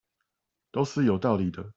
都是有道理的